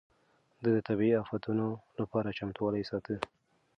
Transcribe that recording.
ده د طبيعي افتونو لپاره چمتووالی ساته.